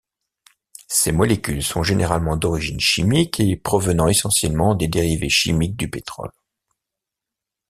Ces molécules sont généralement d’origine chimique et provenant essentiellement des dérivés chimiques du pétrole.